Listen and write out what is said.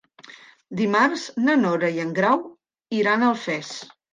Dimarts na Nora i en Grau iran a Alfés.